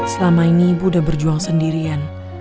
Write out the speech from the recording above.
selama ini ibu udah berjuang sendirian